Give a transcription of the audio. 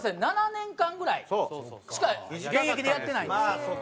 ７年間ぐらいしか現役でやってないんですよ。